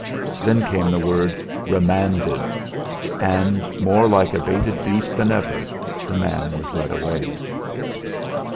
Then came the word "Remanded"; and, more like a baited beast than ever, the man was led away.